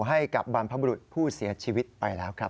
ให้กับบรรพบรุษผู้เสียชีวิตไปแล้วครับ